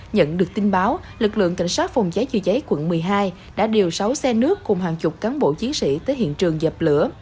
nhận được tin báo lực lượng cảnh sát phòng cháy chữa cháy quận một mươi hai đã điều sáu xe nước cùng hàng chục cán bộ chiến sĩ tới hiện trường dập lửa